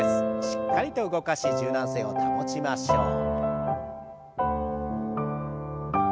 しっかりと動かし柔軟性を保ちましょう。